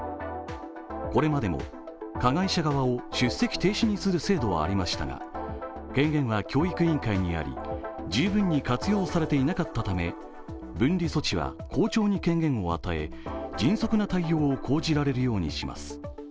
これまでも、加害者側を出席停止にする制度はありましたが権限は教育委員会にあり、十分に活用されていなかったため分離措置は校長に権限を与え迅速な対応を講じられるようにします。